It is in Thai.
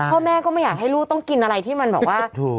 พ่อแม่ก็ไม่อยากให้ลูกต้องกินอะไรที่มันแบบว่า